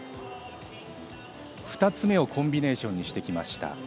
２つ目を、コンビネーションにしてきました。